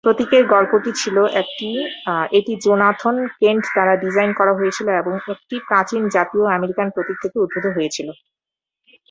প্রতীকের গল্পটি ছিল এটি জোনাথন কেন্ট দ্বারা ডিজাইন করা হয়েছিল এবং একটি প্রাচীন জাতীয় আমেরিকান প্রতীক থেকে উদ্ভূত হয়েছিল।